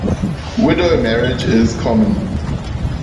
Widow marriage is common.